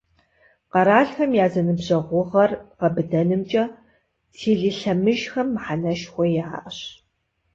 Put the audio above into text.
Къэралхэм я зэныбжьэгъугъэр гъэбыдэнымкӏэ телелъэмыжхэм мыхьэнэшхуэ яӏэщ.